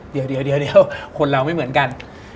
เดี๋ยวคนเราไม่เหมือนกัน